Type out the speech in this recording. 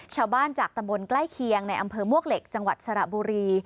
ชาวบ้านจากตำบลใกล้เคียงในอำเภอมวกเหล็กจังหวัดสระบุรี